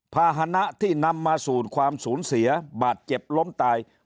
ภาษณะที่นำมาสู่ความสูญเสียบาดเจ็บล้มตาย